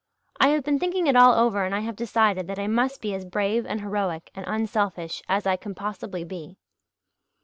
I have been thinking it all over and I have decided that I must be as brave and heroic and unselfish as I can possibly be."